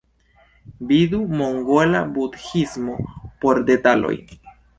Vidu mongola Budhismo por detaloj.